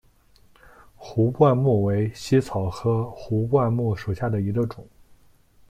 壶冠木为茜草科壶冠木属下的一个种。